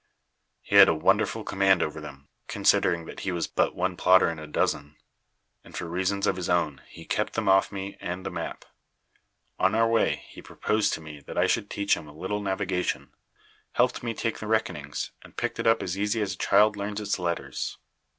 "He had a wonderful command over them, considering that he was but one plotter in a dozen; and for reasons of his own he kept them off me and the map. On our way he proposed to me that I should teach him a little navigation; helped me take the reckonings; and picked it up as easy as a child learns its letters.